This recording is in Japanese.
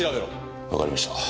わかりました。